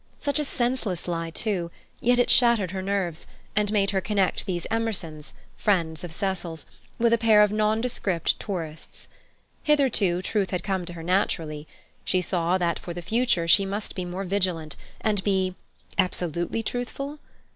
Such a senseless lie, too, yet it shattered her nerves and made her connect these Emersons, friends of Cecil's, with a pair of nondescript tourists. Hitherto truth had come to her naturally. She saw that for the future she must be more vigilant, and be—absolutely truthful?